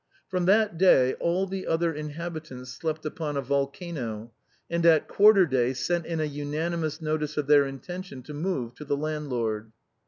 From that day all the other inhabitants slept upon a volcano, and at quarter day sent in a unanimous notice of their intention to move to the landlord.